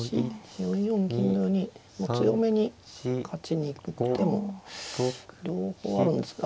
４四銀のように強めに勝ちに行く手も両方あるんですけど。